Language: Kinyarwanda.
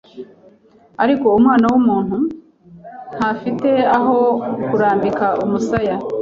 ariko Umwana w’Umuntu ntafite aho kurambika umusaya.